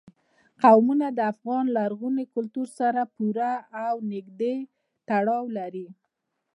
قومونه د افغان لرغوني کلتور سره پوره او نږدې تړاو لري.